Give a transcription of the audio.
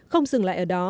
không dừng lại ở đó